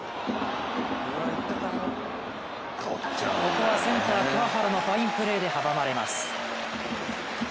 ここはセンター・桑原のファインプレーで阻まれます。